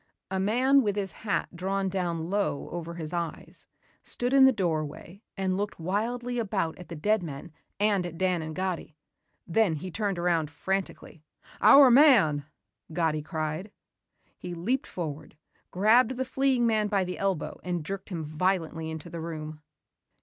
A man with his hat drawn down low over his eyes, stood in the doorway and looked wildly about at the dead men and at Dan and Gatti. Then he turned around frantically. "Our man," Gatti cried. He leaped forward, grabbed the fleeing man by the elbow and jerked him violently into the room.